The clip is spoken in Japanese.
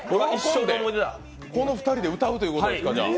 この２人で歌うということですか？